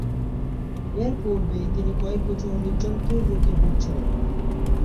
এর পূর্বে তিনি কয়েক বছর হৃদযন্ত্রের রোগে ভুগছিলেন।